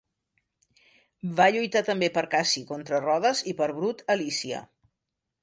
Va lluitar també per Cassi contra Rodes i per Brut a Lícia.